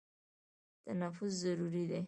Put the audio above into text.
تنفس ضروري دی.